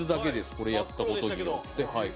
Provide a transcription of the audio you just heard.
これやった事によって。